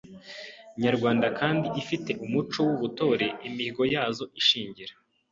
Nyarwanda kandi ufi te umuco w’ubutore, imihigo yazo ishingira